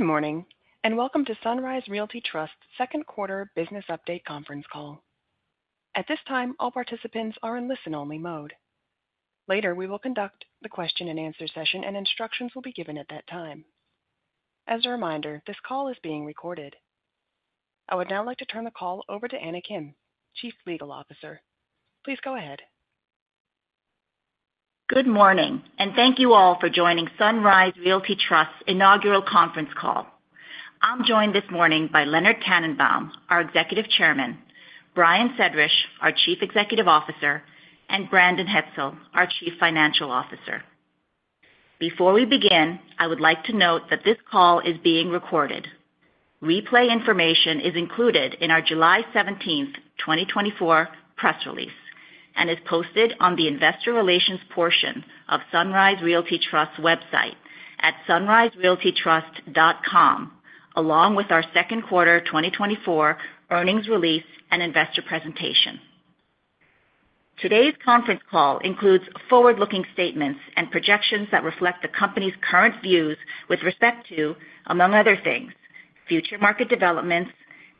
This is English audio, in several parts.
Good morning, and welcome to Sunrise Realty Trust Second Quarter Business Update Conference Call. At this time, all participants are in listen-only mode. Later, we will conduct the question and answer session, and instructions will be given at that time. As a reminder, this call is being recorded. I would now like to turn the call over to Anna Kim, Chief Legal Officer. Please go ahead. Good morning, and thank you all for joining Sunrise Realty Trust's inaugural conference call. I'm joined this morning by Leonard Tannenbaum, our Executive Chairman, Brian Sedrish, our Chief Executive Officer, and Brandon Hetzel, our Chief Financial Officer. Before we begin, I would like to note that this call is being recorded. Replay information is included in our July 17, 2024 press release, and is posted on the investor relations portion of Sunrise Realty Trust's website at sunriserealtytrust.com, along with our second quarter 2024 earnings release and investor presentation. Today's conference call includes forward-looking statements and projections that reflect the company's current views with respect to, among other things, future market developments,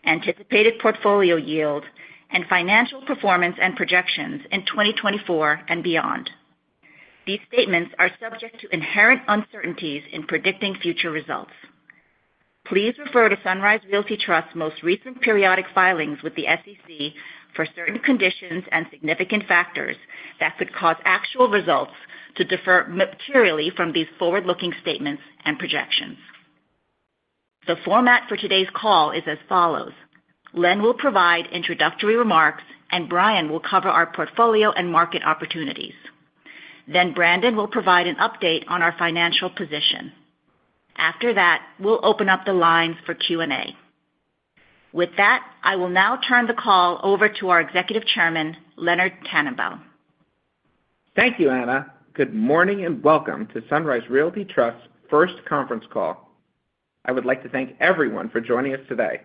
anticipated portfolio yield, and financial performance and projections in 2024 and beyond. These statements are subject to inherent uncertainties in predicting future results. Please refer to Sunrise Realty Trust's most recent periodic filings with the SEC for certain conditions and significant factors that could cause actual results to differ materially from these forward-looking statements and projections. The format for today's call is as follows: Len will provide introductory remarks, and Brian will cover our portfolio and market opportunities. Then Brandon will provide an update on our financial position. After that, we'll open up the lines for Q&A. With that, I will now turn the call over to our Executive Chairman, Leonard Tannenbaum. Thank you, Anna. Good morning, and welcome to Sunrise Realty Trust's first conference call. I would like to thank everyone for joining us today.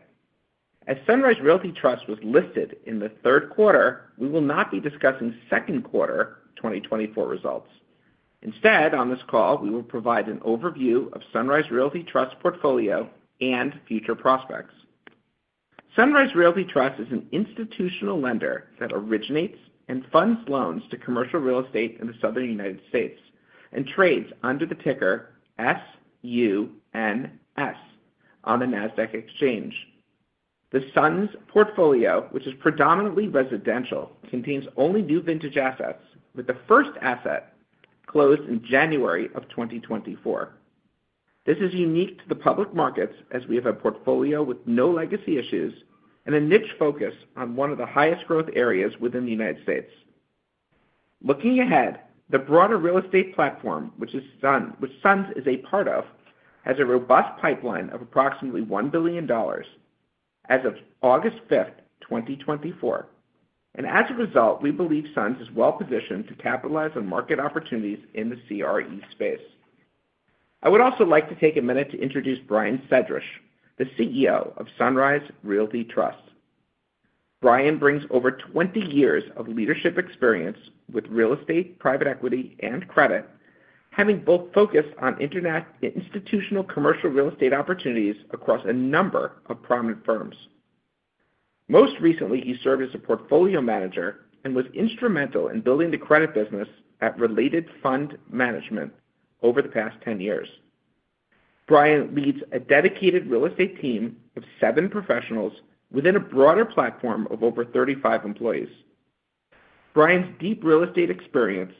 As Sunrise Realty Trust was listed in the third quarter, we will not be discussing second quarter 2024 results. Instead, on this call, we will provide an overview of Sunrise Realty Trust portfolio and future prospects. Sunrise Realty Trust is an institutional lender that originates and funds loans to commercial real estate in the Southern United States and trades under the ticker SUNS on the Nasdaq Exchange. The SUNS portfolio, which is predominantly residential, contains only new vintage assets, with the first asset closed in January of 2024. This is unique to the public markets as we have a portfolio with no legacy issues and a niche focus on one of the highest growth areas within the United States. Looking ahead, the broader real estate platform, which SUNS is a part of, has a robust pipeline of approximately $1 billion as of August 5, 2024. As a result, we believe SUNS is well positioned to capitalize on market opportunities in the CRE space. I would also like to take a minute to introduce Brian Sedrish, the CEO of Sunrise Realty Trust. Brian brings over 20 years of leadership experience with real estate, private equity, and credit, having both focused on institutional commercial real estate opportunities across a number of prominent firms. Most recently, he served as a portfolio manager and was instrumental in building the credit business at Related Fund Management over the past 10 years. Brian leads a dedicated real estate team of seven professionals within a broader platform of over 35 employees. Brian's deep real estate experience,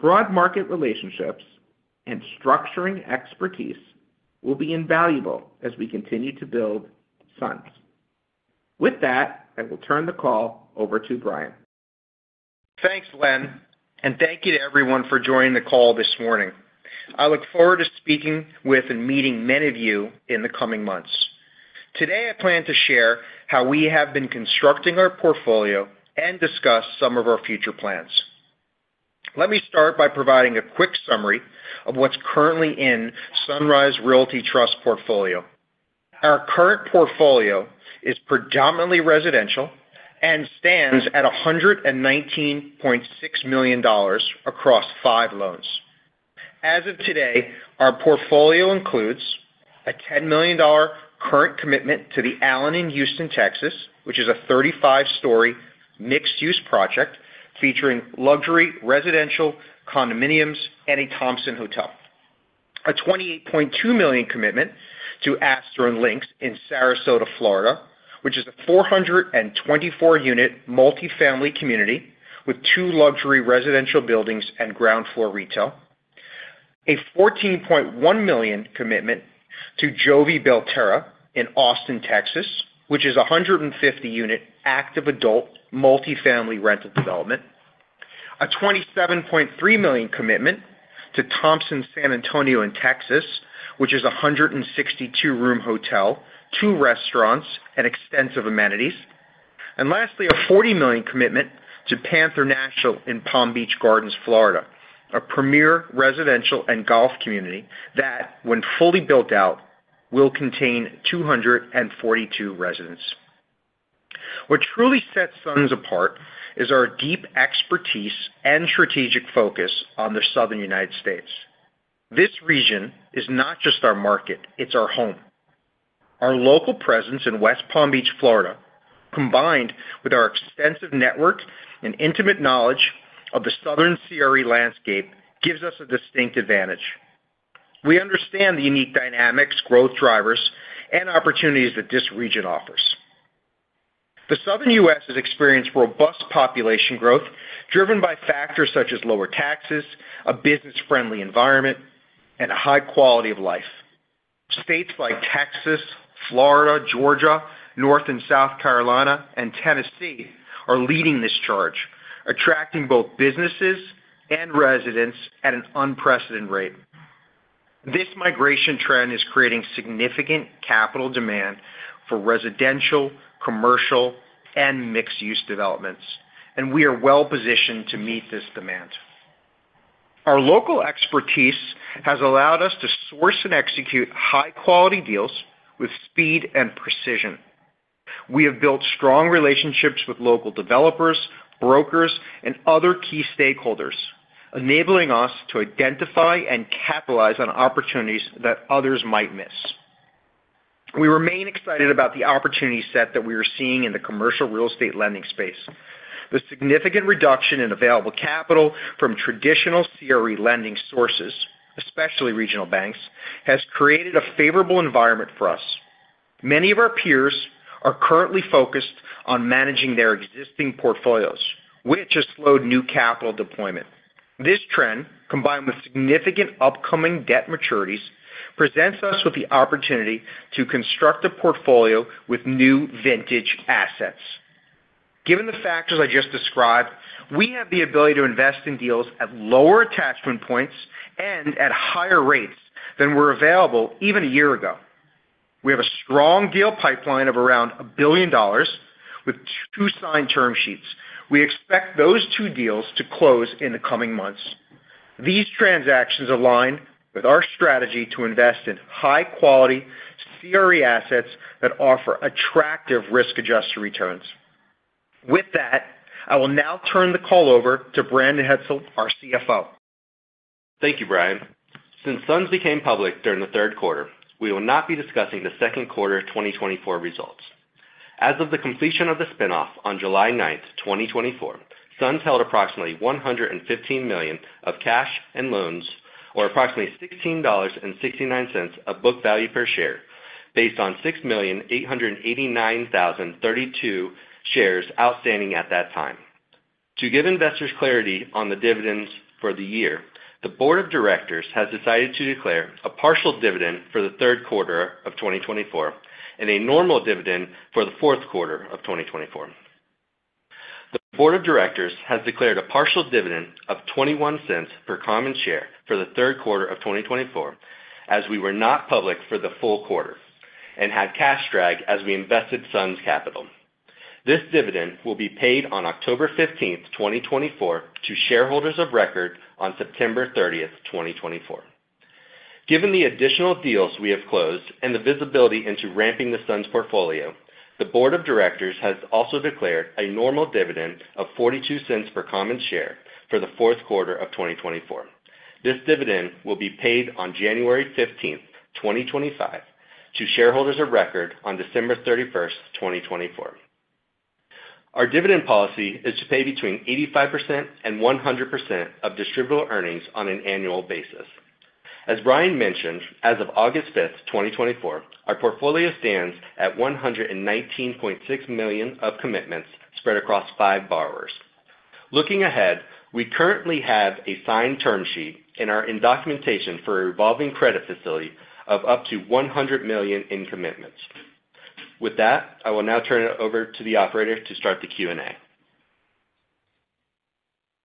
broad market relationships, and structuring expertise will be invaluable as we continue to build SUNS. With that, I will turn the call over to Brian. Thanks, Len, and thank you to everyone for joining the call this morning. I look forward to speaking with and meeting many of you in the coming months. Today, I plan to share how we have been constructing our portfolio and discuss some of our future plans. Let me start by providing a quick summary of what's currently in Sunrise Realty Trust portfolio. Our current portfolio is predominantly residential and stands at $119.6 million across five loans. As of today, our portfolio includes a $10 million current commitment to The Allen in Houston, Texas, which is a 35-story mixed-use project featuring luxury residential condominiums and a Thompson Hotel. A $28.2 million commitment to Aster & Links in Sarasota, Florida, which is a 424-unit multifamily community with two luxury residential buildings and ground floor retail. A $14.1 million commitment to Jovie Belterra in Austin, Texas, which is a 150-unit active adult multifamily rental development. A $27.3 million commitment to Thompson San Antonio in Texas, which is a 162-room hotel, two restaurants, and extensive amenities. And lastly, a $40 million commitment to Panther National in Palm Beach Gardens, Florida, a premier residential and golf community that, when fully built out, will contain 242 residents. What truly sets SUNS apart is our deep expertise and strategic focus on the Southern United States. This region is not just our market, it's our home. Our local presence in West Palm Beach, Florida, combined with our extensive network and intimate knowledge of the southern CRE landscape, gives us a distinct advantage. We understand the unique dynamics, growth drivers, and opportunities that this region offers. The Southern U.S. has experienced robust population growth, driven by factors such as lower taxes, a business-friendly environment, and a high quality of life. States like Texas, Florida, Georgia, North and South Carolina, and Tennessee are leading this charge, attracting both businesses and residents at an unprecedented rate. This migration trend is creating significant capital demand for residential, commercial, and mixed-use developments, and we are well positioned to meet this demand. Our local expertise has allowed us to source and execute high-quality deals with speed and precision. We have built strong relationships with local developers, brokers, and other key stakeholders, enabling us to identify and capitalize on opportunities that others might miss. We remain excited about the opportunity set that we are seeing in the commercial real estate lending space. The significant reduction in available capital from traditional CRE lending sources, especially regional banks, has created a favorable environment for us. Many of our peers are currently focused on managing their existing portfolios, which has slowed new capital deployment. This trend, combined with significant upcoming debt maturities, presents us with the opportunity to construct a portfolio with new vintage assets. Given the factors I just described, we have the ability to invest in deals at lower attachment points and at higher rates than were available even a year ago. We have a strong deal pipeline of around $1 billion with two signed term sheets. We expect those two deals to close in the coming months. These transactions align with our strategy to invest in high-quality CRE assets that offer attractive risk-adjusted returns. With that, I will now turn the call over to Brandon Hetzel, our CFO. Thank you, Brian. Since SUNS became public during the third quarter, we will not be discussing the second quarter of 2024 results. As of the completion of the spin-off on July ninth, 2024, SUNS held approximately $115 million of cash and loans, or approximately $16.69 of book value per share, based on 6,889,032 shares outstanding at that time. To give investors clarity on the dividends for the year, the board of directors has decided to declare a partial dividend for the third quarter of 2024 and a normal dividend for the fourth quarter of 2024. The board of directors has declared a partial dividend of $0.21 per common share for the third quarter of 2024, as we were not public for the full quarter and had cash drag as we invested SUNS capital. This dividend will be paid on October 15, 2024, to shareholders of record on September 30, 2024. Given the additional deals we have closed and the visibility into ramping the SUNS portfolio, the board of directors has also declared a normal dividend of $0.42 per common share for the fourth quarter of 2024. This dividend will be paid on January 15, 2025, to shareholders of record on December 31, 2024. Our dividend policy is to pay between 85% and 100% of distributable earnings on an annual basis. As Brian mentioned, as of August 5, 2024, our portfolio stands at $119.6 million of commitments spread across five borrowers. Looking ahead, we currently have a signed term sheet and are in documentation for a revolving credit facility of up to $100 million in commitments. With that, I will now turn it over to the operator to start the Q&A.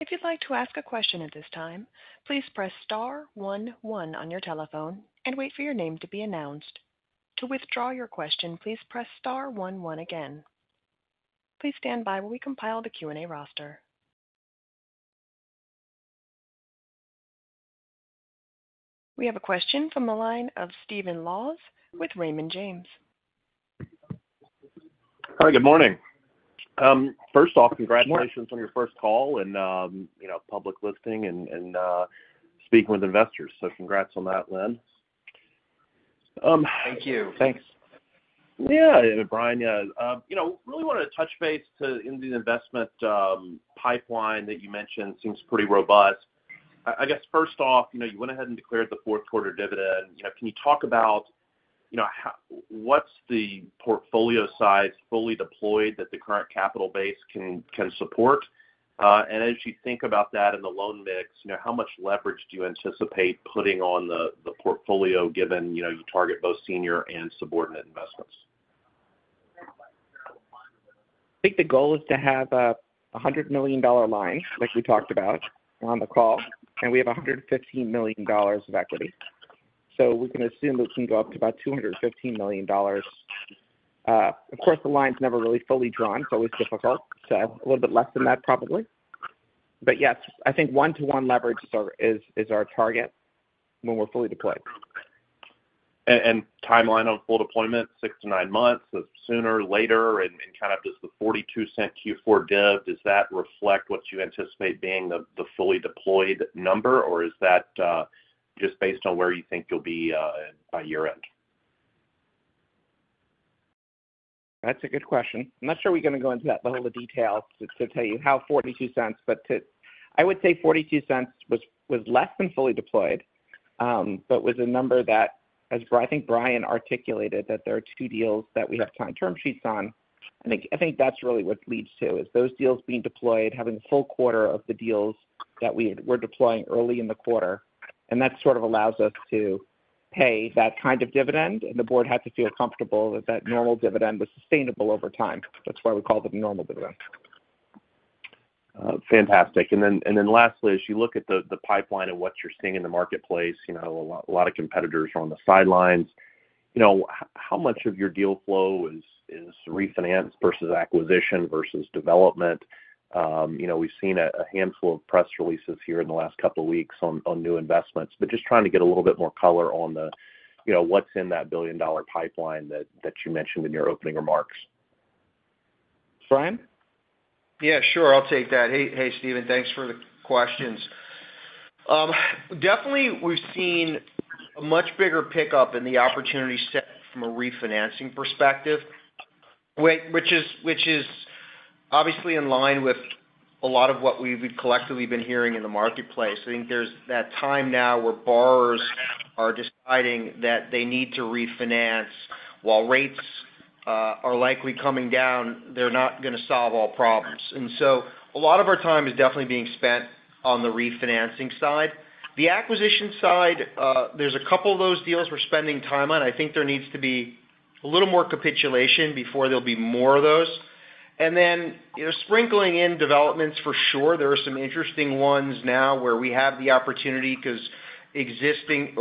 If you'd like to ask a question at this time, please press star one one on your telephone and wait for your name to be announced. To withdraw your question, please press star one one again. Please stand by while we compile the Q&A roster. We have a question from the line of Stephen Laws with Raymond James. Hi, good morning. First off, congratulations on your first call and, you know, public listing and speaking with investors. So congrats on that, Len. Thank you. Thanks. Yeah, Brian, yeah. You know, really wanted to touch base to in the investment, pipeline that you mentioned seems pretty robust. I guess first off, you know, you went ahead and declared the fourth quarter dividend. You know, can you talk about, you know, how, what's the portfolio size fully deployed that the current capital base can support? And as you think about that in the loan mix, you know, how much leverage do you anticipate putting on the portfolio, given, you know, you target both senior and subordinate investments? I think the goal is to have a $100 million line, like we talked about on the call, and we have $115 million of equity. So we can assume it can go up to about $215 million. Of course, the line's never really fully drawn, it's always difficult, so a little bit less than that, probably. But yes, I think one-to-one leverage is our target when we're fully deployed. Timeline on full deployment, 6-9 months, sooner, later? And kind of does the $0.42 Q4 div reflect what you anticipate being the fully deployed number? Or is that just based on where you think you'll be by year-end? That's a good question. I'm not sure we're gonna go into that level of detail to tell you how $0.42, but to, I would say $0.42 was less than fully deployed, but was a number that, as I think Brian articulated, that there are two deals that we have signed term sheets on. I think, I think that's really what leads to, is those deals being deployed, having a full quarter of the deals that we were deploying early in the quarter, and that sort of allows us to pay that kind of dividend, and the board had to feel comfortable that that normal dividend was sustainable over time. That's why we call it the normal dividend. Fantastic. And then lastly, as you look at the pipeline and what you're seeing in the marketplace, you know, a lot of competitors are on the sidelines. You know, how much of your deal flow is refinance versus acquisition versus development? You know, we've seen a handful of press releases here in the last couple of weeks on new investments, but just trying to get a little bit more color on the, you know, what's in that billion-dollar pipeline that you mentioned in your opening remarks. Brian? Yeah, sure. I'll take that. Hey, hey, Stephen. Thanks for the questions. Definitely, we've seen a much bigger pickup in the opportunity set from a refinancing perspective, which is obviously in line with a lot of what we've collectively been hearing in the marketplace. I think there's that time now where borrowers are deciding that they need to refinance. While rates are likely coming down, they're not gonna solve all problems. And so a lot of our time is definitely being spent on the refinancing side. The acquisition side, there's a couple of those deals we're spending time on. I think there needs to be a little more capitulation before there'll be more of those. And then, you know, sprinkling in developments, for sure, there are some interesting ones now where we have the opportunity because existing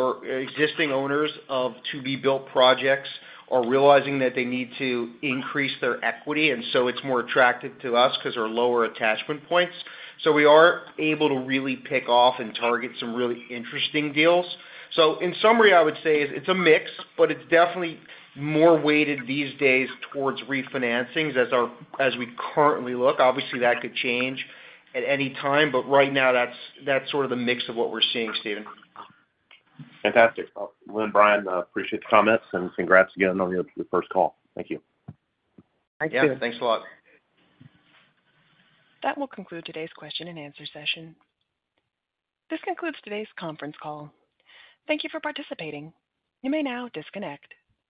owners of to-be-built projects are realizing that they need to increase their equity, and so it's more attractive to us because they're lower attachment points. So we are able to really pick off and target some really interesting deals. So in summary, I would say it's a mix, but it's definitely more weighted these days towards refinancings as we currently look. Obviously, that could change at any time, but right now, that's sort of the mix of what we're seeing, Stephen. Fantastic. Well, Len, Brian, appreciate the comments, and congrats again on your, the first call. Thank you. Thank you. Yeah, thanks a lot. That will conclude today's question-and-answer session. This concludes today's conference call. Thank you for participating. You may now disconnect.